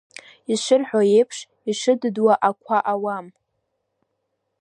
Ишырҳәо еиԥш, ишыдыдуа ақәа ауам.